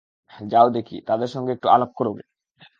যাও দেখি, তাদের সঙ্গে একটু আলাপ করোগে।